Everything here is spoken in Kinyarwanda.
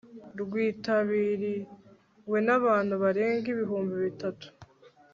rwitabiriwe n abantu barenga ibihumbi bitatu